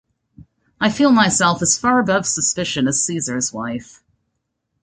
I feel myself as far above suspicion as Caesar's wife.